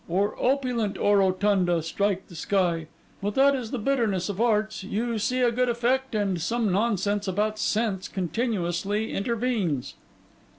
"Or opulent orotunda strike the sky." But that is the bitterness of arts; you see a good effect, and some nonsense about sense continually intervenes.